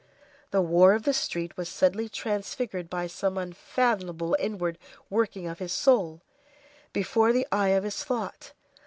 The war of the street was suddenly transfigured by some unfathomable inward working of his soul, before the eye of his thought.